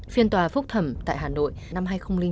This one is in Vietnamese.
phiên tòa phúc thẩm tại hà nội năm hai nghìn chín